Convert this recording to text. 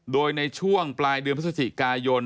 โดยในช่วงปลายเดือนพฤศจิกายน